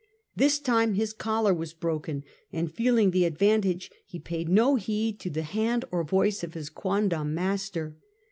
This time his collar was broken and feeling the advantage he paid no heed to the hand or voice of his quandom master.